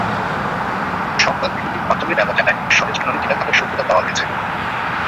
সংবাদ বিজ্ঞপ্তির মাধ্যমে বেলা জানায়, সরেজমিননে টিলা কাটার সত্যতা পাওয়া গেছে।